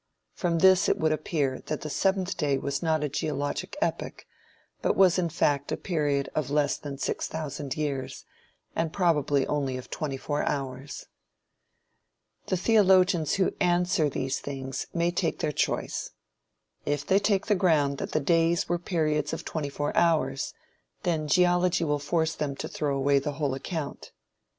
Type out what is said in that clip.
From this it would appear that the seventh day was not a geologic epoch, but was in fact a period of less than six thousand years, and probably of only twenty four hours. The theologians who "answer" these things may take their choice. If they take the ground that the "days" were periods of twenty four hours, then geology will force them to throw away the whole account.